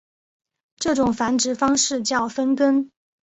这种繁殖方式叫分根。